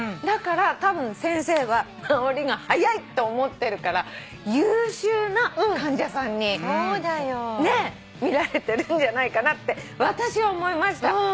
だからたぶん先生は治りが早いって思ってるから優秀な患者さんに見られてるんじゃないかなって私は思いました。